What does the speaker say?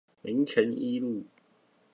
民權一路